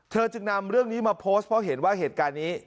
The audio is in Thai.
จึงนำเรื่องนี้มาโพสต์เพราะเห็นว่าเหตุการณ์นี้